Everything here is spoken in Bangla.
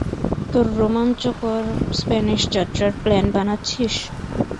তোর রোমাঞ্চকর স্প্যানিশ যাত্রার প্ল্যান বানাচ্ছিস?